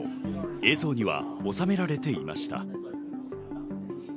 映像には収められていました。